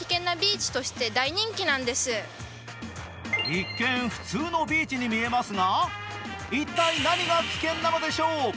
一見、普通のビーチに見えますが一体何が危険なのでしょう？